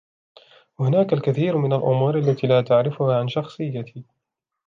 هناك الكثير من الأمور التي لا تعرفها عن شخصيتي.